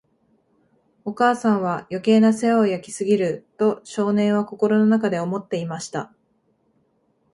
お母さんは、余計な世話を焼きすぎる、と少年は心の中で思っていました。